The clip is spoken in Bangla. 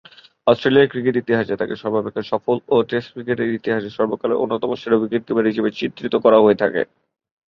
অস্ট্রেলিয়ার ক্রিকেট ইতিহাসে তাকে সর্বাপেক্ষা সফল ও টেস্ট ক্রিকেটের ইতিহাসে সর্বকালের অন্যতম সেরা উইকেট-কিপার হিসেবে চিত্রিত করা হয়ে থাকে।